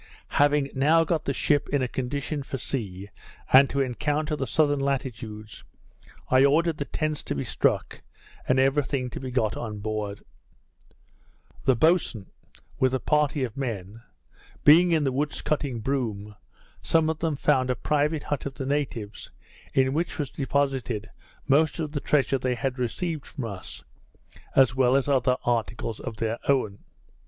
Having now got the ship in a condition for sea, and to encounter the southern latitudes, I ordered the tents to be struck, and every thing to be got on board. The boatswain, with a party of men, being in the woods cutting broom, some of them found a private hut of the natives, in which was deposited most of the treasure they had received from us, as well as some other articles of their own.